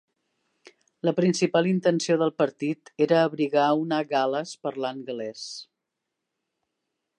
La principal intenció del partit era abrigar una Gal·les parlant gal·lès.